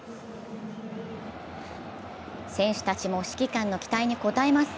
選手たちも指揮官の期待に応えます。